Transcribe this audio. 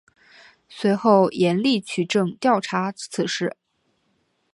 随后严厉取证调查此事。